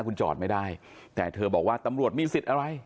คุณจอดไม่ได้แต่เธอบอกว่าตำรวจมีสิทธิ์อะไร